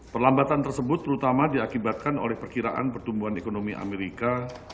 perlambatan tersebut terutama diakibatkan oleh perkiraan pertumbuhan ekonomi amerika